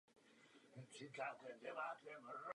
To ale již dnes neplatí.